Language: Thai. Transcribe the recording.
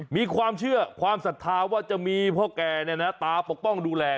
มีความเชื่อความศรัทธาว่าจะมีพ่อแก่ตาปกป้องดูแล